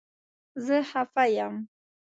زه خفه یم